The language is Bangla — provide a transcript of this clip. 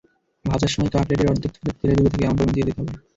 ভাজার সময় কাটলেটের অর্ধেকটা যাতে তেলে ডুবে থাকে এমন পরিমাণ তেল দিতে হবে।